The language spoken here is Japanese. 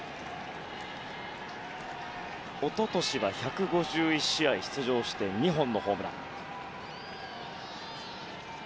一昨年は１５１試合出場して２本のホームラン。